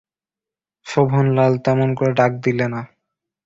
শোভনলাল তেমন করে ডাক দিলে না।